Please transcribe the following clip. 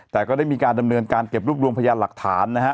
แต่ก็ได้มีการดำเนินการเก็บรูปรวมพยานหลักฐานนะฮะ